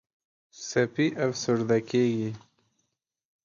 سپي افسرده کېږي.